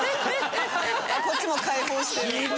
こっちも開放してる。